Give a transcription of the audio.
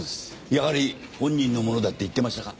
やはり本人のものだって言ってましたか？